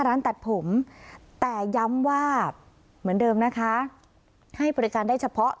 ร้านตัดผมแต่ย้ำว่าเหมือนเดิมนะคะให้บริการได้เฉพาะ